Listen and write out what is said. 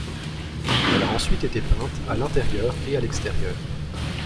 Elle a ensuite été peinte à l'intérieur et à l'extérieur.